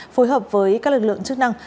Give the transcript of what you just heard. phối hợp với các lực lượng chức năng